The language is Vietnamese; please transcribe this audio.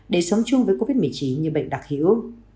để sống chung với covid một mươi chín như bệnh đặc hữu